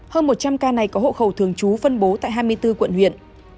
hơn một trăm linh ca này có hộ khẩu thường trú phân bố tại hai mươi bốn quận huyện